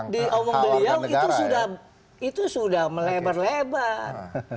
diomong beliau itu sudah melebar lebar